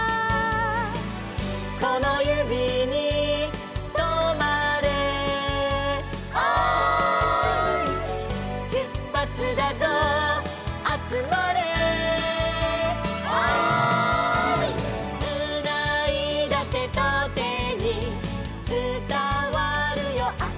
「このゆびにとまれ」「おーい」「しゅっぱつだぞあつまれ」「おーい」「つないだてとてにつたわるよあったかい」